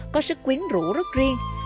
có sức quyến rũ rất riêng